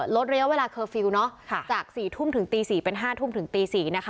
ลดเรียวเวลาเนาะค่ะจากสี่ทุ่มถึงตีสี่เป็นห้าทุ่มถึงตีสี่นะคะ